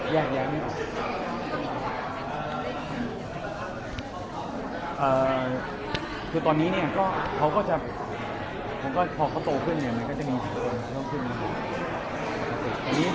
พอเขาโตขึ้นมันก็จะมีชีวิตของเขาขึ้น